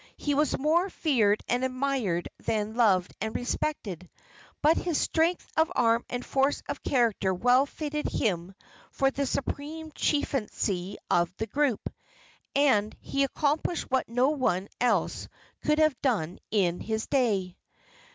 He was more feared and admired than loved and respected; but his strength of arm and force of character well fitted him for the supreme chieftaincy of the group, and he accomplished what no one else could have done in his day.